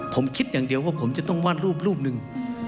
ผมคิดอย่างเดียวว่าผมจะต้องวาดรูปรูปหนึ่ง